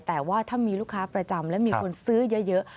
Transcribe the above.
แต่ว่าถ้ามีลูกค้าประจำและมีคนซื้อเยอะ